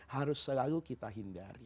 harus selalu kita hindari